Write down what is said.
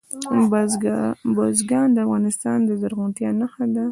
بزګان د افغانستان د زرغونتیا نښه ده.